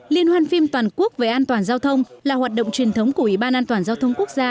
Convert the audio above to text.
liên hoan phim toàn quốc về an toàn giao thông là hoạt động truyền thống của ủy ban an toàn giao thông quốc gia